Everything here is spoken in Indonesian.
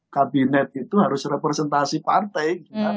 kabinet itu harus representasi partai